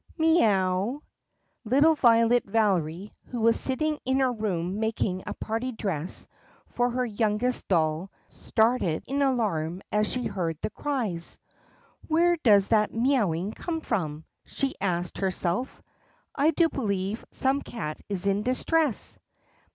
"MEE OW!" Little Violet Valery, who was sitting in her room making a party dress for her youngest doll, started in alarm as she heard the cries. ''Where does that mee owing come from?" she asked her self. "I do believe some cat is in distress."